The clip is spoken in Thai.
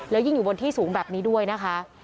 แล้วยิ่งอยู่บนที่สูงแบบนี้ด้วยนะคะ